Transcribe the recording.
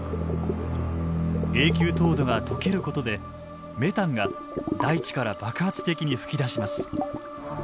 永久凍土がとけることでメタンが大地から爆発的に噴き出します。